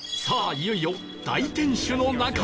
いよいよ大天守の中へ